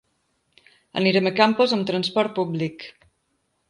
Anirem a Campos amb transport públic.